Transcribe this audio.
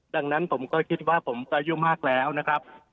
ดังนั้นผมก็คิดว่าผมก็อายุมากแล้วนะครับ